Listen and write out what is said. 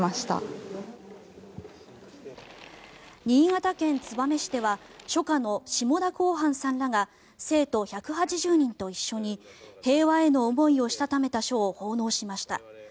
新潟県燕市では書家の下田逅絆さんらが生徒１８０人と一緒に平和への思いをしたためた書を奉納しました。